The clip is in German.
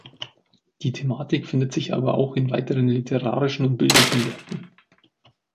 Die Thematik findet sich aber auch in weiteren literarischen und bildlichen Werken.